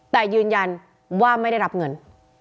แต่ยืนยันว่าไม่ได้รับเงิน